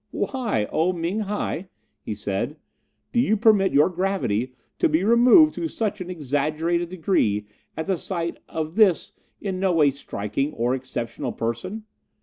"'Why, O Ming hi,' he said, 'do you permit your gravity to be removed to such an exaggerated degree at the sight of this in no way striking or exceptional person?